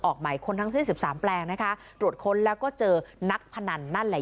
หมายค้นทั้งสิ้น๑๓แปลงนะคะตรวจค้นแล้วก็เจอนักพนันนั่นแหละ